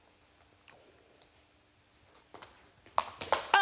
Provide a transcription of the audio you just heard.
あ！